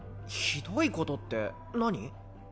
ひどいことって何？